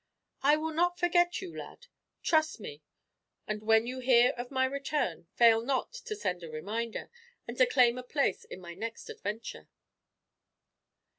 "I will not forget you, lad. Trust me, and when you hear of my return, fail not to send a reminder, and to claim a place in my next adventure."